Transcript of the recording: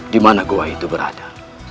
di mana goa itu berada